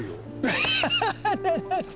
アハハハハ！